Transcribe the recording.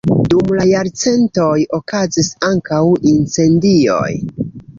Dum la jarcentoj okazis ankaŭ incendioj.